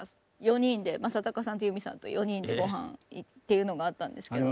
４人で正隆さんと由実さんと４人で御飯っていうのがあったんですけど。